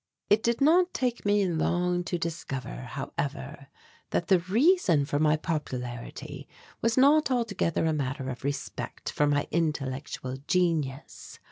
It did not take me long to discover, however, that the reason for my popularity was not altogether a matter of respect for my intellectual genius.